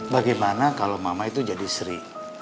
bagaimana kalau mama itu jadi sri